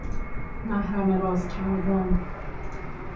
محرم راز کردن